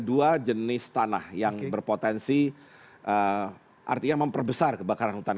dua jenis tanah yang berpotensi artinya memperbesar kebakaran hutan